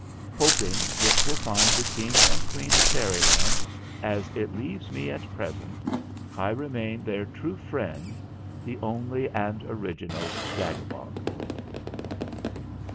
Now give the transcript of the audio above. "Hoping this will find the King and Queen of Fairyland as it leaves me at present, I re main, their true friend, "THE ONLY AND ORIGINAL ZAGABOG."